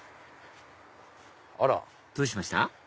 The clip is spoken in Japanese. あら！どうしました？